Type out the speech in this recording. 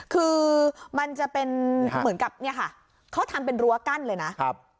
คือมันจะเป็นเหมือนกับเนี่ยค่ะเขาทำเป็นรั้วกั้นเลยนะครับ